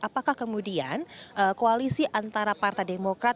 apakah kemudian koalisi antara partai demokrat